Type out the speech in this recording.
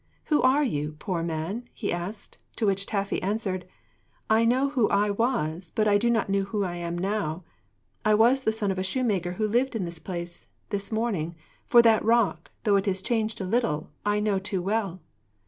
'Who are you, poor man?' he asked. To which Taffy answered, 'I know who I was, but I do not know who I am now. I was the son of a shoemaker who lived in this place, this morning; for that rock, though it is changed a little, I know too well.'